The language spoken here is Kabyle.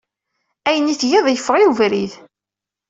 Ayen ay tgiḍ yeffeɣ i webrid.